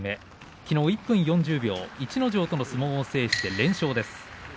きのう１分４０秒逸ノ城との相撲を制して連勝です。